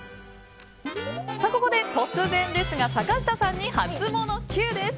ここで突然ですが坂下さんにハツモノＱです。